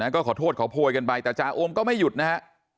ก็ขอโทษขอโพยกันไปแต่จาโอมก็ไม่หยุดนะฮะ